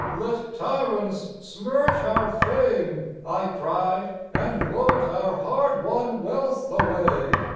" Let tyrants smirch our fame," I cried, '‚ñÝ And vote our hard won wealth away.